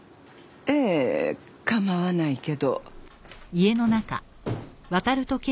ええ構わないけど。